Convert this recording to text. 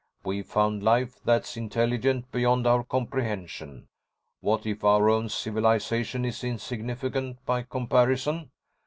We've found life that's intelligent beyond our comprehension. What if our own civilization is insignificant by comparison?